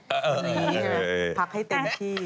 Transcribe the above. เออพักให้เต็มที่